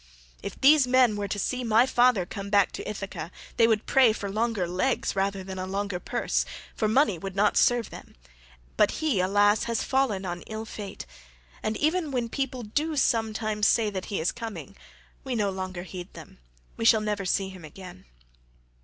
If these men were to see my father come back to Ithaca they would pray for longer legs rather than a longer purse, for money would not serve them; but he, alas, has fallen on an ill fate, and even when people do sometimes say that he is coming, we no longer heed them; we shall never see him again.